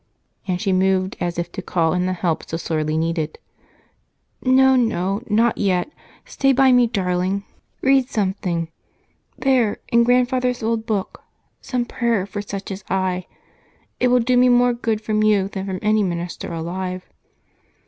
And she moved as if to call in the help so sorely needed. "No, no, not yet! Stay by me, darling read something there, in Grandfather's old book, some prayer for such as I. It will do me more good from you than any minister alive."